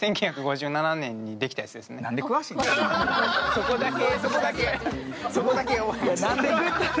そこだけ。